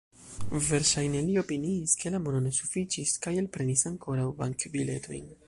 Verŝajne li opiniis, ke la mono ne sufiĉis, kaj elprenis ankoraŭ bankbiletojn.